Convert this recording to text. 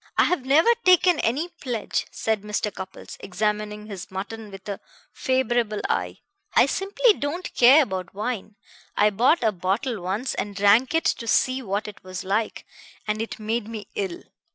"I have never taken any pledge," said Mr. Cupples, examining his mutton with a favorable eye. "I simply don't care about wine. I bought a bottle once and drank it to see what it was like, and it made me ill.